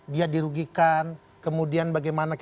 dia dirugikan kemudian bagaimana